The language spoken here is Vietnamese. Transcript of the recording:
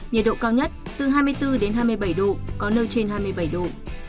nhiệt độ cao nhất từ hai mươi bốn đến hai mươi bảy độ có nơi trên hai mươi bảy độ